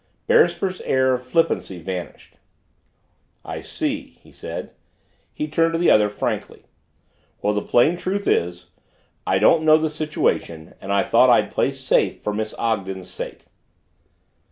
Beresford's air of flippancy vanished. "I see," he said. He turned to the other, frankly. "Well, the plain truth is I didn't know the situation and I thought I'd play safe for Miss Ogden's sake."